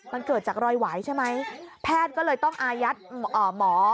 มันเกิดจากรอยไหวใช่ไหมแพทย์ก็เลยต้องอายัดหมอ